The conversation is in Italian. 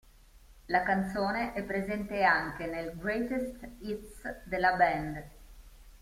La canzone è presente anche nel Greatest Hits della band.